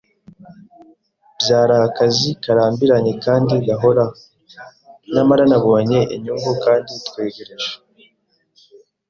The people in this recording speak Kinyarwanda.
Byari akazi karambiranye kandi gahoro, nyamara nabonye inyungu; kandi twegereje